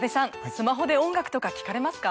スマホで音楽とか聴かれますか？